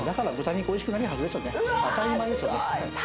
当たり前ですよね。